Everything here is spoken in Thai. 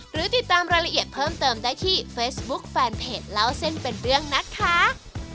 หรือติดตามรายละเอียดเพิ่มเติมได้ที่เฟซบุ๊คแฟนเพจเล่าเส้นเป็นเรื่องนะคะ